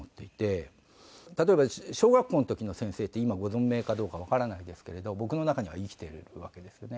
例えば小学校の時の先生って今ご存命かどうかわからないですけれど僕の中には生きてるわけですよね